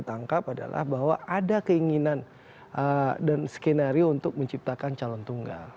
tangkap adalah bahwa ada keinginan dan skenario untuk menciptakan calon tunggal